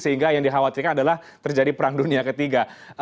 sehingga yang dikhawatirkan adalah terjadi perang dunia ketiga